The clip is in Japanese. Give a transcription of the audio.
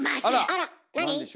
あら何？